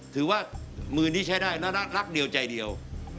ถือว่ามือนี้ใช้ได้น่ารักเดียวใจเดียว